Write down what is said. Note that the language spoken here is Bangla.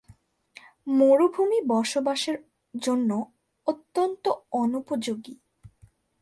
মরুভূমি বসবাসের জন্য অত্যন্ত অনুপযোগী।